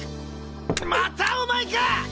またお前か！